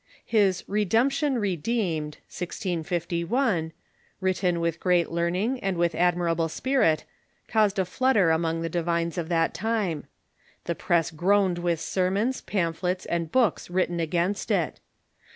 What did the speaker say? His " Redemption Redeemed " (1651), written with great learning and with admirable spirit, caused a flutter among the divines of that time. The press groaned with sermons, pamphlets, and books written against it.